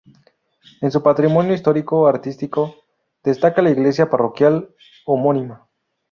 En su patrimonio histórico-artístico destaca la iglesia parroquial homónima.